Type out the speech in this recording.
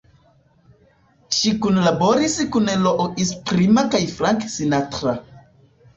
Ŝi kunlaboris kun Louis Prima kaj Frank Sinatra.